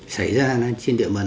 xảy ra trên địa bàn